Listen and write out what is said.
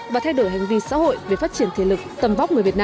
và thay đổi hành vi xã hội về phát triển thể lực tầm vóc người việt nam